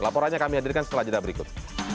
laporannya kami hadirkan setelah jeda berikut